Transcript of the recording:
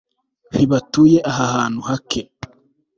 ntibatuye aha hantu hake